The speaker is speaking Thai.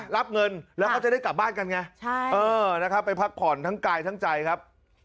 รับเงินแล้วเขาจะได้กลับบ้านกันไงนะครับไปพักผ่อนทั้งกายทั้งใจครับ